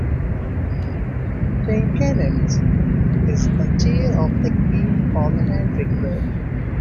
Tynkkynen is the chair of the Green parliamentary group.